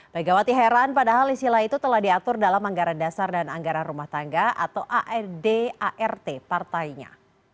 megawati heran padahal istilah itu telah diatur dalam anggaran dasar dan anggaran rumah tangga atau ardart partainya